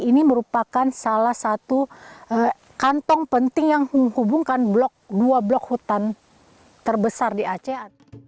ini merupakan salah satu kantong penting yang menghubungkan dua blok hutan terbesar di aceh